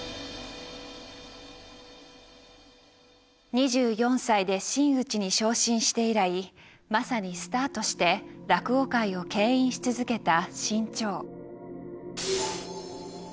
２４歳で真打ちに昇進して以来まさにスターとして落語界を牽引し続けた志ん朝。